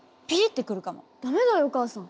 駄目だよお母さん。